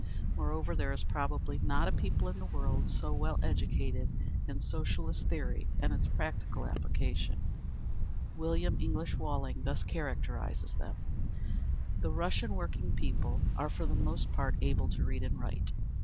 Moreover, there is probably not a people in the world so well educated in Socialist theory and its practical application. William English Walling thus characterises them: The Russian working people are for the most part able to read and write.